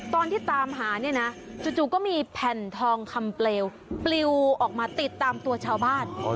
ตามหาเนี่ยนะจู่ก็มีแผ่นทองคำเปลวปลิวออกมาติดตามตัวชาวบ้าน